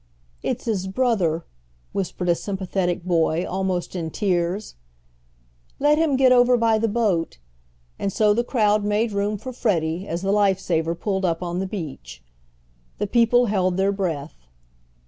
"It's his brother," whispered a sympathetic boy, almost in tears. "Let him get over by the boat," and so the crowd made room for Freddie, as the life saver pulled up on the beach. The people held their breath.